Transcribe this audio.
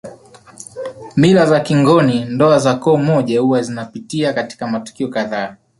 Mila za kingoni ndoa za koo moja huwa zinapitia katika matukio kadhaa